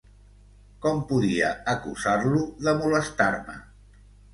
Com podia acusar-lo de molestar-me?